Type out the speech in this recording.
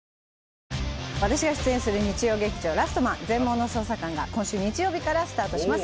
私が出演する日曜劇場「ラストマン全盲の捜査官」が今週日曜日からスタートします